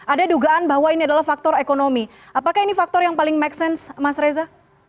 ada dugaan bahwa ini adalah faktor ekonomi apakah ini faktor yang paling make sense mas reza